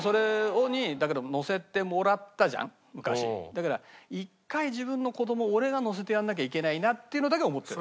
だから１回自分の子どもを俺が乗せてやらなきゃいけないなっていうのだけは思ってる。